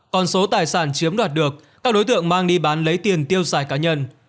còn số tài sản chiếm đoạt được các đối tượng mang đi bán lấy tiền tiêu xài cá nhân